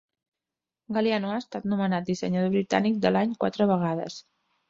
Galliano ha estat nomenat Dissenyador Britànic de l'Any quatre vegades.